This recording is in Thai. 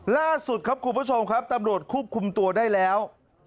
ล่าสุดครับคุณผู้ชมครับตำรวจควบคุมตัวได้แล้ว